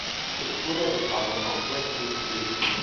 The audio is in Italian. Eppure ha dettato un complesso di scritti